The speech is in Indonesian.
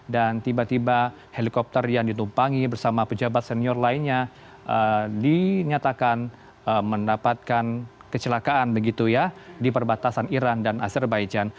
dan tiba tiba helikopter yang ditumpangi bersama pejabat senior lainnya dinyatakan mendapatkan kecelakaan begitu ya di perbatasan iran dan azerbaijan